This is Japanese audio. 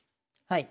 はい。